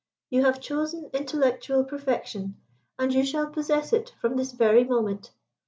You have chosen intellectual perfection, and you shall possess it from this very moment.